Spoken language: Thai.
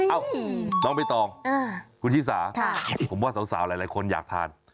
เอ้าน้องใบตองคุณชิสาผมว่าสาวหลายคนอยากทาน